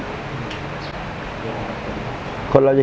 สมุนไพรไทย